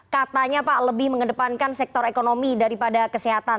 katanya pak lebih mengedepankan sektor ekonomi daripada kesehatan